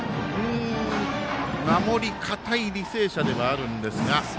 守り堅い履正社ではあるんですが。